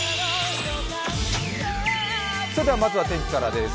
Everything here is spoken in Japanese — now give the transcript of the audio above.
まずは天気からです。